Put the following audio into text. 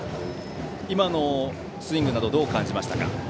今のスイングなどどう感じましたか。